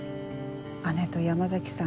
姉と山崎さん